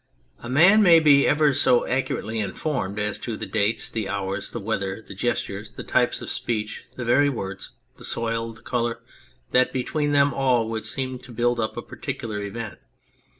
A man may be ever so accurately informed as to the dates, the hours, the weather, the gestures, the type of speech, the very words, the soil, the colour, that between them all would seem to build up a particular event.